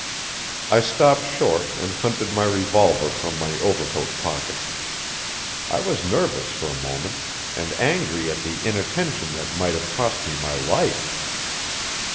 I stopped short and hunted my revolver from my overcoat pocket. I was nervous for a moment, and angry at the inattention that might have cost me my life.